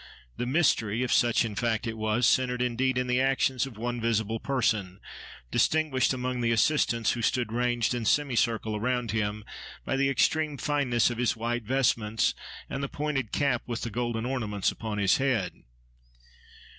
The mystery, if such in fact it was, centered indeed in the actions of one visible person, distinguished among the assistants, who stood ranged in semicircle around him, by the extreme fineness of his white vestments, and the pointed cap with the golden ornaments upon his head.